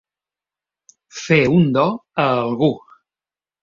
Fer un do a algú.